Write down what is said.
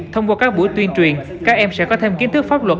thông qua các buổi tuyên truyền các em sẽ có thêm kiến thức pháp luật